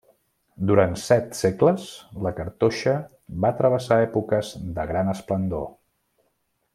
Durant set segles, la cartoixa va travessar èpoques de gran esplendor.